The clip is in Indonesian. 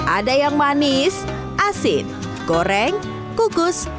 ada yang manis asin goreng kukus